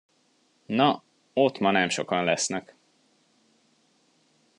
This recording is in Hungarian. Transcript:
Na, ott ma nem sokan lesznek.